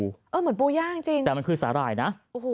ครับเหมือนปูย่างจริงแต่มันคือสาหร่ายนะ